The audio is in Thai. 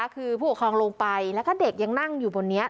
คือผู้ปกครองลงไปแล้วก็เด็กยังนั่งอยู่บนนี้